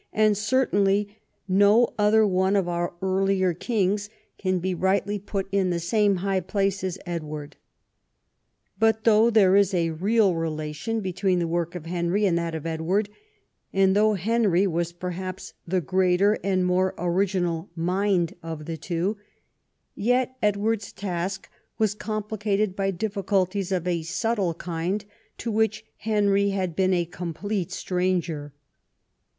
and certainly no other one of our earlier kings can be rightl}' put in the same high place as Edward. But though there is a real relation between the work of Henry and that of Edward, and though Henry was perhaps the greater and more original mind of the two, yet Edward's task was complicated by diffi culties of a sul)tle kind to which Henry had been a complete stranger.